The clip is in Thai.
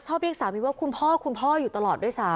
เรียกสามีว่าคุณพ่อคุณพ่ออยู่ตลอดด้วยซ้ำ